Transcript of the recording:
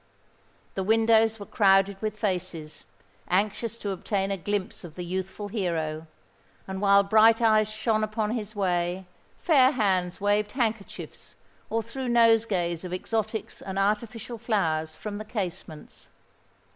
The windows were crowded with faces, anxious to obtain a glimpse of the youthful hero; and while bright eyes shone upon his way, fair hands waved handkerchiefs or threw nosegays of exotics and artificial flowers from the casements.